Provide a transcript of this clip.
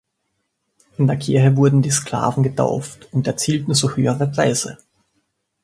In der Kirche wurden die Sklaven getauft, und erzielten so höhere Preise.